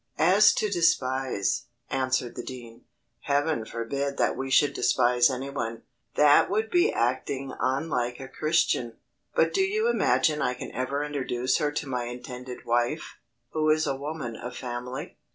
"As to despise," answered the dean, "Heaven forbid that we should despise anyone, that would be acting unlike a Christian; but do you imagine I can ever introduce her to my intended wife, who is a woman of family?"